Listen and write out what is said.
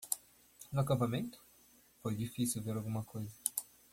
No acampamento? foi difícil ver alguma coisa.